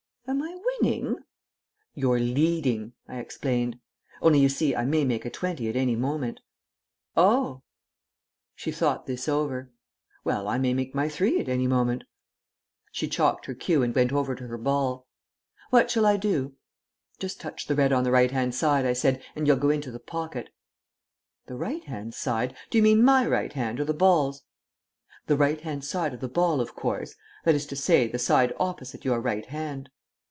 "Am I winning?" "You're leading," I explained. "Only, you see, I may make a twenty at any moment." "Oh!" She thought this over. "Well, I may make my three at any moment." She chalked her cue and went over to her ball. "What shall I do?" "Just touch the red on the right hand side," I said, "and you'll go into the pocket." "The right hand side? Do you mean my right hand side, or the ball's?" "The right hand side of the ball, of course; that is to say, the side opposite your right hand."